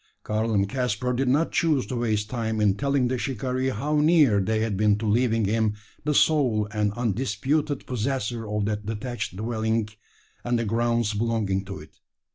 Karl and Caspar did not choose to waste time in telling the shikaree how near they had been to leaving him the sole and undisputed possessor of that detached dwelling and the grounds belonging to it.